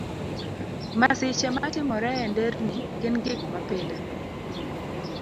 Masiche matimore e nderni gin gik mapile.